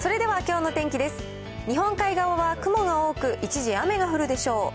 日本海側は雲が多く、一時雨が降るでしょう。